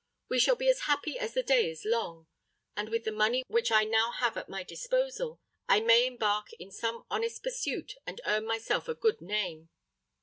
We shall be as happy as the day is long; and, with the money which I now have at my disposal, I may embark in some honest pursuit and earn myself a good name."